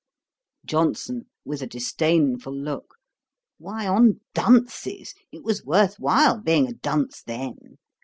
JOHNSON, (with a disdainful look,) 'Why, on dunces. It was worth while being a dunce then.